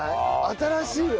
新しいよ。